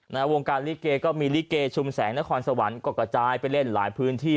นะฮะวงการลิเกก็มีลิเกชุมแสงและคอนสะหวัญก่อกะจายไปเล่นหลายพื้นที่